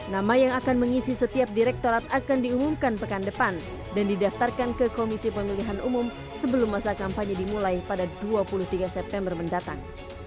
nama yang akan mengisi setiap direktorat akan diumumkan pekan depan dan didaftarkan ke komisi pemilihan umum sebelum masa kampanye dimulai pada dua puluh tiga september mendatang